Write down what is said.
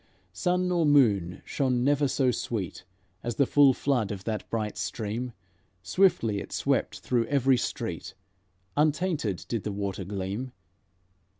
Sun nor moon shone never so sweet As the full flood of that bright stream; Swiftly it swept through every street, Untainted did the water gleam.